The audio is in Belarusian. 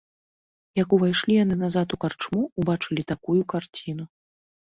Як увайшлі яны назад у карчму, убачылі такую карціну.